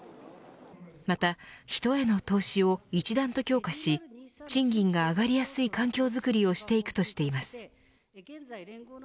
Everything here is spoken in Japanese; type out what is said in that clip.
また、人への投資を一段と強化し賃金が上がりやすい環境づくりをしていくとしています。